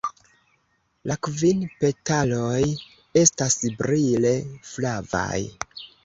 La kvin petaloj estas brile flavaj.